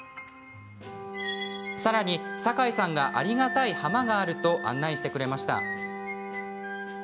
さらに、坂井さんがありがたい浜があると案内してくれました。